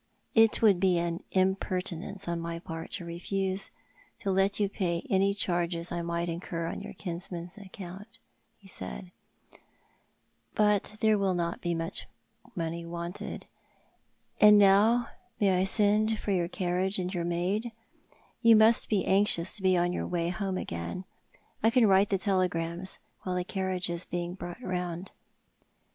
" It would be an impertinence on my part to refuse to let you pay any charges I may incur on your kinsman's account," he said ;" but there will not be much money wanted. And now may I send for your carriage and your maid? You must be anxious to be on your way homo again. I can write the telegrams while the carriage is being brought round."